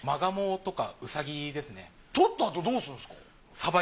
とったあとどうするんすか？